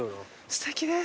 すてきです。